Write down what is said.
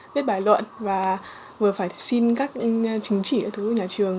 viết bài luận và vừa phải xin các chứng chỉ ở thứ nhà trường